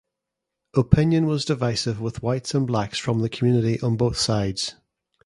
Opinion was divisive with whites and blacks from the community on both sides.